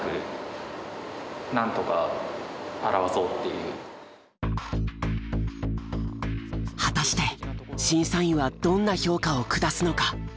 一番果たして審査員はどんな評価を下すのか？